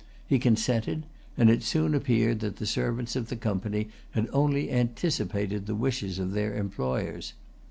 He consented; and it soon appeared that the servants of the Company had only anticipated the wishes of their employers.